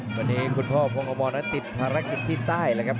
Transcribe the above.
ทีนี้คุณพ่อผ่วงความร้อนใต้ติดภารกิจที่ใต้แล้วครับ